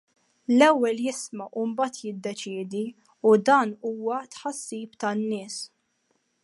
L-ewwel jisma' u mbagħad jiddeċiedi, u dan huwa tħassib tan-nies.